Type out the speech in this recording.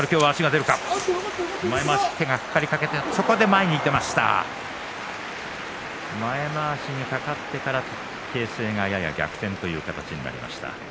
前まわしにかかってから形勢がやや逆転という形になりました。